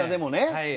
はい。